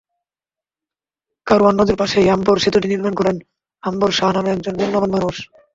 কারওয়ান নদীর পাশেই আম্বর সেতুটি নির্মাণ করেন আম্বর শাহ নামে একজন পুণ্যবান মানুষ।